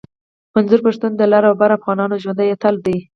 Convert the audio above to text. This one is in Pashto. منظور پشتین د لر او بر افغانانو ژوندی اتل دی